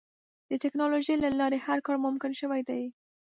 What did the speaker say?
د ټکنالوجۍ له لارې هر کار ممکن شوی دی.